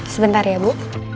sebentar ya bu